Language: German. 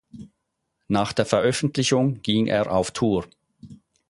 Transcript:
Nach der Veröffentlichung ging er auf Tour.